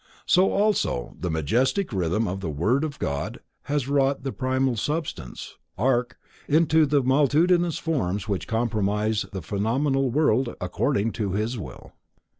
So also the majestic rhythm of the Word of God has wrought the primal substance: arche, into the multitudinous forms which comprise the phenomenal world, according to His will.